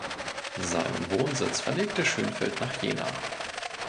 Seinen Wohnsitz verlegte Schoenfeld nach Jena.